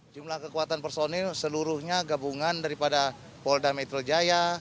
jumlah kekuatan personil seluruhnya gabungan daripada polda metro jaya